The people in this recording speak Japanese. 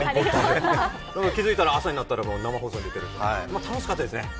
気付いたら朝になって生放送に出てて、楽しかったですね。